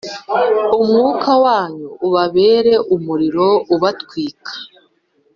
umwuka wanyu ubabere umuriro ubatwika.